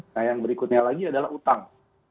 nah yang berikutnya lagi adalah utang